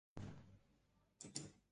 Kakoit sap ap keba tarasa